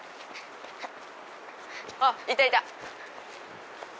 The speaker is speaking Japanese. あっいたいた。